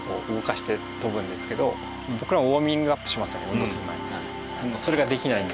運動する前に。